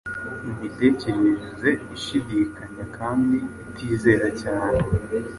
Imitekerereze ishidikanya kandi itizera cyane